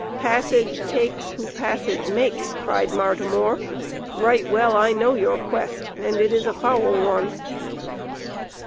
"Passage takes, who passage makes!" cried Martimor. "Right well I know your quest, and it is a foul one."